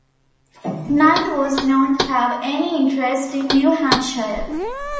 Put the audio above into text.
Neither was known to have any interest in New Hampshire.